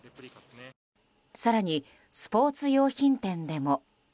更に、スポーツ用品店でも。